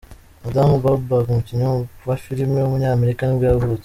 Adam Goldberg, umukinnyi wa filime w’umunyamerika nibwo yavutse.